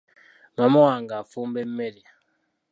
Maama wange afumba mmere.